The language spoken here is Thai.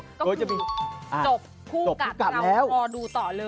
ก็คือจบคู่กับเรารอดูต่อเลย